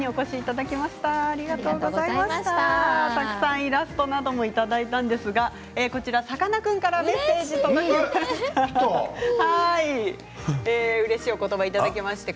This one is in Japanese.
たくさんイラストなどもいただいたんですがさかなクンからメッセージが届きました。